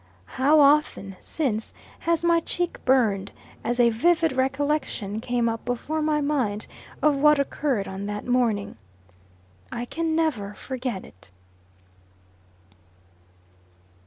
How often, since, has my cheek burned, as a vivid recollection came up before my mind of what occurred on that morning! I can never forget it.